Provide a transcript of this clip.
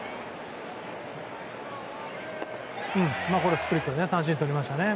スプリットで三振とりました。